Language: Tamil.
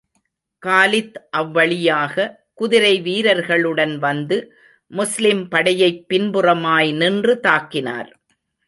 காலித் அவ்வழியாக, குதிரை வீரர்களுடன் வந்து, முஸ்லிம் படையைப் பின்புறமாய் நின்று தாக்கினார்.